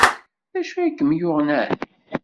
D acu ay kem-yuɣen ɛni?